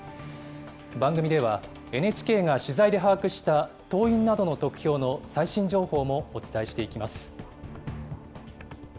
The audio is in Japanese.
番組では、ＮＨＫが取材で把握した党員などの得票の最新情報もお伝えしていきます。